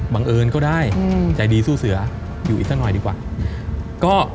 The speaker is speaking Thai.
บังเอิญก็ได้ใจดีสู้เสืออยู่อีกสักหน่อยดีกว่า